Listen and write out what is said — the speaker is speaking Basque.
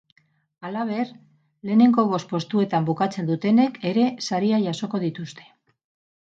Halaber, lehenengo bost postuetan bukatzen dutenek ere sariak jasoko dituzte.